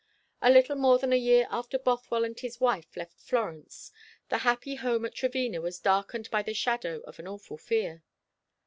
A little more than a year after Bothwell and his wife left Florence, the happy home at Trevena was darkened by the shadow of an awful fear.